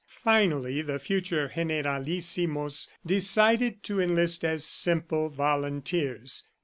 Finally the future generalissimos, decided to enlist as simple volunteers